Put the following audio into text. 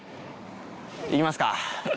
いきますか。